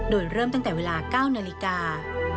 โดยเริ่มตั้งแต่เวลา๙นาฬิกา